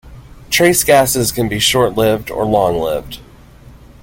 Trace gases can be short lived or long lived.